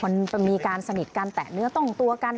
มันมีการสนิทกันแตะเนื้อต้องตัวกัน